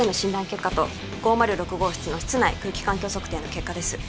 結果と５０６号室の室内空気環境測定の結果です